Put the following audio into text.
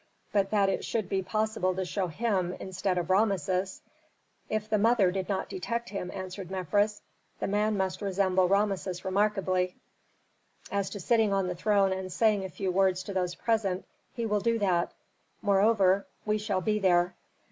But that it should be possible to show him instead of Rameses " "If the mother did not detect him," answered Mefres, "the man must resemble Rameses remarkably. As to sitting on the throne and saying a few words to those present, he will do that. Moreover, we shall be there."